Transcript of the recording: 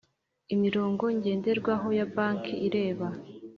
Imirongo ngenderwaho ya banki ireba